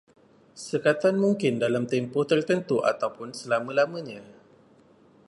Sekatan mungkin dalam tempoh tertentu ataupun selama-lamanya